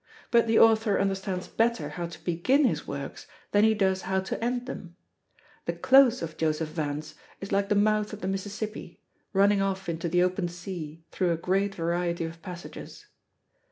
But the author understands better how to begin his works than he does how to end them. The close of Joseph Vance is like the mouth of the Mississippi, running off into the open sea through a great variety of passages.